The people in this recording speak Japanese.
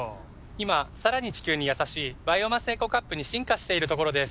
今さらに地球にやさしいバイオマスエコカップに進化しているところです。